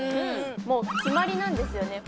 もう決まりなんですよね